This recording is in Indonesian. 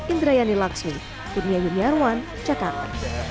indra yani lakshmi dunia junior one jakarta